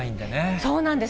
そうなんです。